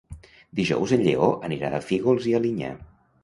Dijous en Lleó anirà a Fígols i Alinyà.